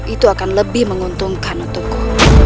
itu akan lebih menguntungkan untukku